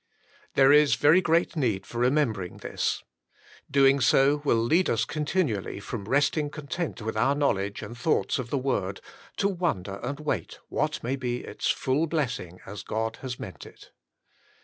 There is very great need for remembering this. Doing so will lead us continually from resting content with our knowledge and thoughts of the Word, to wonder and wait what may be its full blessing as God has meant it.